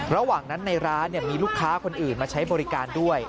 ระหว่างนั้นในร้านมีลูกค้าคนอื่นมาใช้บริการด้วย